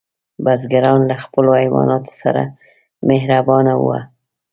بزګران له خپلو حیواناتو سره مهربانه وو.